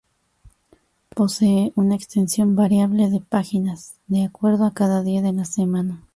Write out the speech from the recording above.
Posee una extensión variable de páginas de acuerdo a cada día de la semana.